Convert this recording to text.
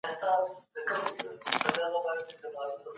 انسانانو به له ډېر وخت راهيسي د طبيعت لټون کړی وي.